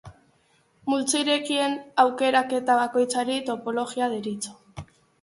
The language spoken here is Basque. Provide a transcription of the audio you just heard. Multzo irekien aukeraketa bakoitzari topologia deritzo.